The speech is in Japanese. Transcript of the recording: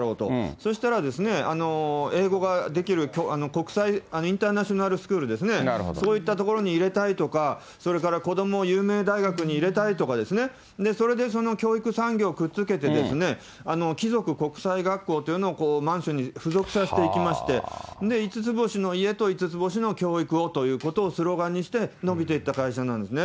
そうしたら、英語ができる国際インターナショナルスクールですね、そういった所に入れたいとか、それから子どもを有名大学に入れたいとかですね、それでその教育産業をくっつけてですね、貴族国際学校というのをマンションに付属させていきまして、５つ星の家と５つ星の教育をということをスローガンにして伸びていった会社なんですね。